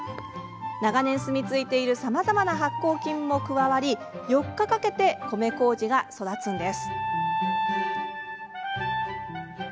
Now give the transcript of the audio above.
長年住み着いているさまざまな発酵菌も加わり４日かけて米こうじが育ちます。